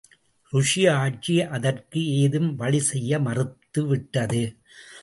ருஷ்ய ஆட்சி அதற்கு ஏதும் வழி செய்ய மறுத்து விட்டது.